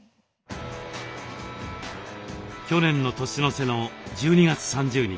去年の年の瀬の１２月３０日。